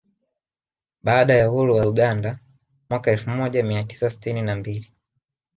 Baada ya uhuru wa Uganda mwaka mwaka elfu moja mia tisa sitini na mbili